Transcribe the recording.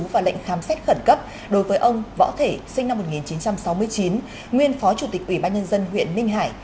và lệnh khám xét khẩn cấp đối với ông võ thể sinh năm một nghìn chín trăm sáu mươi chín nguyên phó chủ tịch ủy ban nhân dân huyện ninh hải